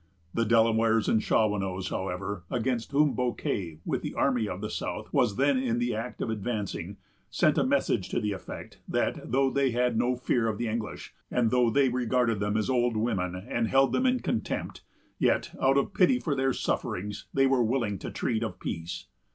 The Delawares and Shawanoes, however, against whom Bouquet, with the army of the south, was then in the act of advancing, sent a message to the effect, that, though they had no fear of the English, and though they regarded them as old women, and held them in contempt, yet, out of pity for their sufferings, they were willing to treat of peace.